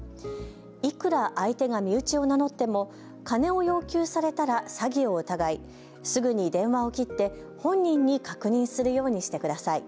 いくら相手が身内を名乗っても金を要求されたら詐欺を疑いすぐに電話を切って本人に確認するようにしてください。